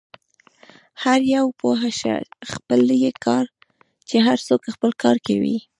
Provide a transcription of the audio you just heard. هر یو پوه شه، خپل يې کار، چې هر څوک خپل کار کوي.